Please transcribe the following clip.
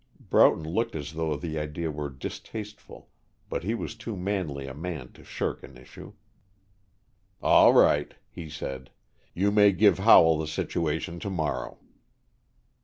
Broughton looked as though the idea were distasteful, but he was too manly a man to shirk an issue. "All right," he said. "You may give Howell the situation to morrow."